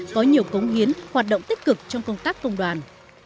có nhiều cống hiến hoạt động tích cực trong công tác công đoàn